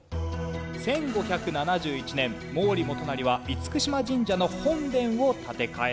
１５７１年毛利元就は嚴島神社の本殿を建て替えました。